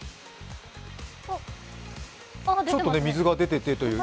ちょっと水が出ててという。